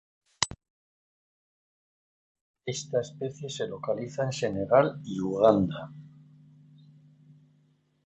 Esta especie se localiza en Senegal y Uganda.